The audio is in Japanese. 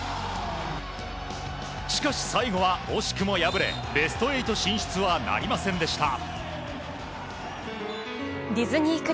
しかし、最後は惜しくも敗れベスト８進出はなりませんでした。